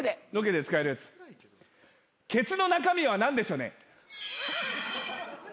ケツの中身はなんでしょね？